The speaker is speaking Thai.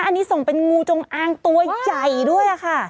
อันนี้ส่งเป็นงูจงอางตัวใหญ่ด้วยค่ะ